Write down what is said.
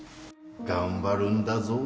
・頑張るんだぞ